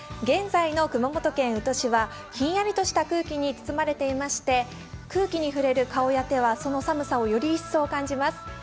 現在の熊本県宇土市はひんやりとした空気に包まれていまして、空気に触れる顔や手はその寒さをより一層感じます。